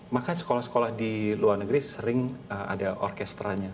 maka sekolah sekolah di luar negeri sering ada orkestranya